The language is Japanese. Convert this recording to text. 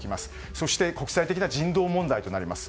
そして国際的な人道問題となります。